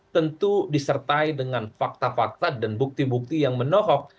tentu disertai dengan fakta fakta dan bukti bukti yang menohok